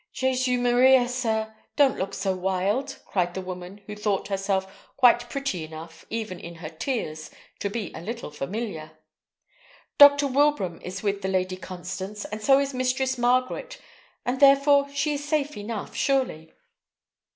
"Jesu Maria, sir! don't look so wild," cried the woman, who thought herself quite pretty enough, even in her tears, to be a little familiar. "Dr. Wilbraham is with the Lady Constance, and so is Mistress Margaret, and therefore she is safe enough, surely."